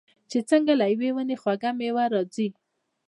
چې څنګه له یوې ونې خوږه میوه راځي.